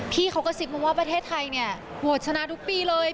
พี่เขากระซิบมาว่าประเทศไทยเนี่ยโหวตชนะทุกปีเลย